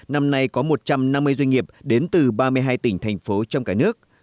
năm nay có một trăm năm mươi doanh nghiệp đến từ ba mươi hai tỉnh thành phố trong cả nước